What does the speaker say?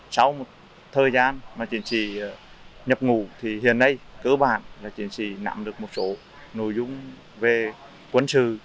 sau một thời gian mà chiến sĩ nhập ngủ thì hiện nay cơ bản là chiến sĩ nắm được một số nội dung về quân sự